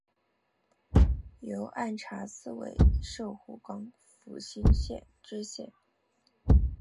由按察司委摄湖广蒲圻县知县。